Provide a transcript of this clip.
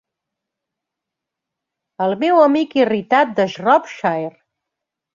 El meu amic irritat de Shropshire!